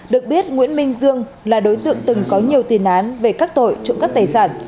được biết nguyễn minh dương là đối tượng từng có nhiều tiền án về các tội trộm cắp tài sản